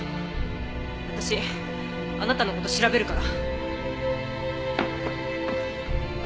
私あなたの事調べるから。